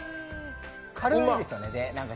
軽いですよね。